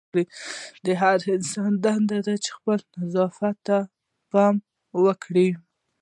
د هر انسان دنده ده چې خپل نظافت ته پام وکړي.